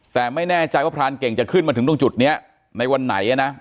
แต่ไม่แน่ใจว่าพรานเก่งจะขึ้นมาถึงตรงจุดนี้ในวันไหนนะ